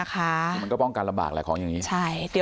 คือมันก็ป้องกันลำบากแหละของอย่างนี้